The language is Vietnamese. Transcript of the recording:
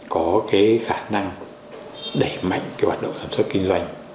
có cái khả năng đẩy mạnh cái hoạt động sản xuất kinh doanh